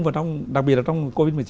và đặc biệt là trong covid một mươi chín